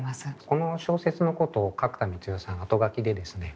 この小説のことを角田光代さん後書きでですね